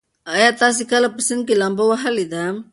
ایا تاسي کله په سیند کې لامبو وهلې ده؟